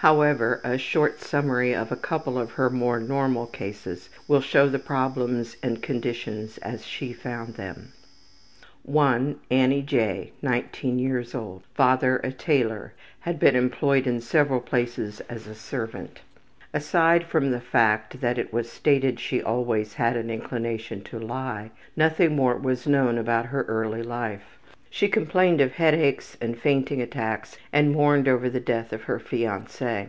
However, a short summary of a couple of her more normal cases will show the problems and conditions as she found them. I. Annie J., 19 years old, father a tailor, had been employed in several places as a servant. Aside from the fact that it was stated she always had an inclination to lie, nothing more was known about her early life. She complained of headaches and fainting attacks, and mourned over the death of her fiance.